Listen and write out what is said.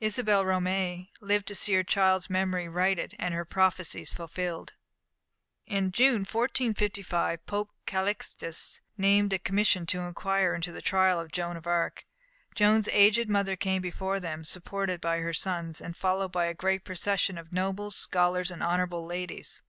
Isabelle Romée lived to see her child's memory righted and her prophecies fulfilled. In June, 1455, Pope Calixtus, named a commission to inquire into the trial of Joan of Arc. Joan's aged mother came before them, supported by her sons, and followed by a great procession of nobles, scholars, and honourable ladies.